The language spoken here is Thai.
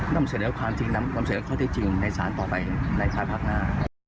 ทำเสร็จความจริงนะฮะทำเสร็จข้อที่จริงในศาลต่อไปในช้าพักหน้า